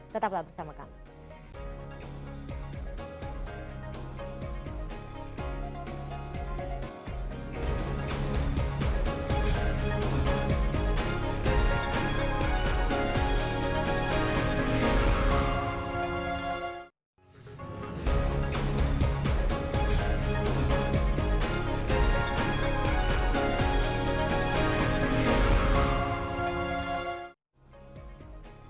tetaplah bersama kami